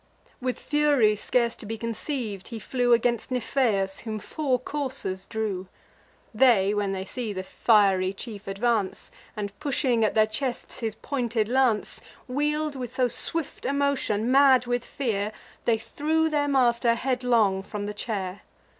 With fury scarce to be conceiv'd, he flew Against Niphaeus, whom four coursers drew. They, when they see the fiery chief advance, And pushing at their chests his pointed lance, Wheel'd with so swift a motion, mad with fear, They threw their master headlong from the chair.